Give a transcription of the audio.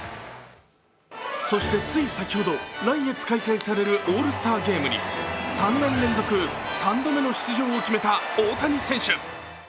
そしてつい先ほど、来月開催されるオールスターゲームに３年連続、３度目の出場を決めた大谷選手。